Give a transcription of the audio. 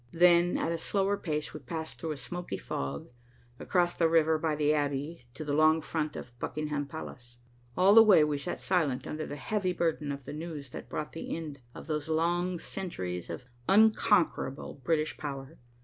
Then, at a slower pace, we passed through a smoky fog, across the river, by the Abbey, to the long front of Buckingham Palace. All the way we sat silent under the heavy burden of the news that brought the end of those long centuries of unconquerable British power.